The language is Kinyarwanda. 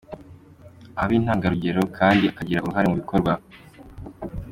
Aba intangarugero kandi akagira uruhare mu bikorwa.